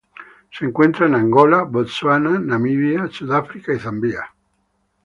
Se encuentra en Angola, Botsuana, Namibia, Sudáfrica, y Zambia.